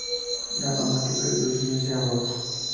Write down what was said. Ganó multiples Blues Music Awards.